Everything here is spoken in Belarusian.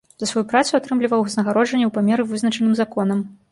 За сваю працу атрымліваў узнагароджанне ў памеры, вызначаным законам.